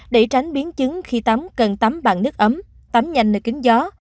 để tránh biến chứng khi tắm cần tắm bằng nước ấm tắm nhanh nơi kính gió